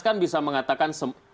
kan bisa mengatakan